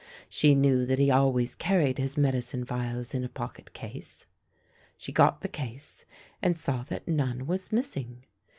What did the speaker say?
She knew that he always carried his medicine phials in a pocket case. She got the case, and saw that none was missing.